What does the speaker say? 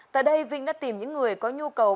tại đây vinh đã tìm những người có nhu cầu